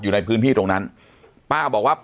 อยู่ในพื้นที่ตรงนั้นป้าบอกว่า